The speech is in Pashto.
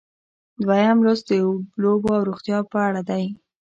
دولسم لوست د لوبو او روغتیا په اړه دی.